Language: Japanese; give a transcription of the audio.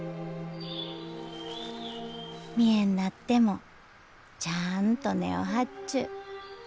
見えんなってもちゃあんと根を張っちゅう。